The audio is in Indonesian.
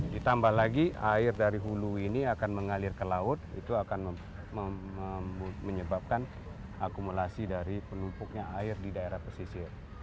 ditambah lagi air dari hulu ini akan mengalir ke laut itu akan menyebabkan akumulasi dari penumpuknya air di daerah pesisir